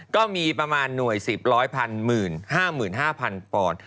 ก็มีประมาณหน่วย๑๐ร้อยพันหมื่น๕๕๐๐๐ปอน